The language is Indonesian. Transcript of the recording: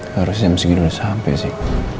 harusnya meski dulu sampai sih